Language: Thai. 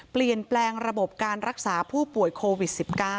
เปลี่ยนแปลงระบบการรักษาผู้ป่วยโควิด๑๙